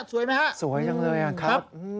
สวยไหมฮะสวยจังเลยครับ